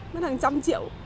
mất hàng trăm triệu